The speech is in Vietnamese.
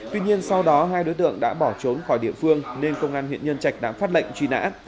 tuy nhiên sau đó hai đối tượng đã bỏ trốn khỏi địa phương nên công an huyện nhân trạch đã phát lệnh truy nã